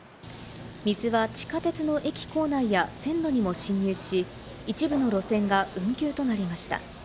水は地下鉄の駅構内や線路にも侵入し、一部の路線が運休となりました。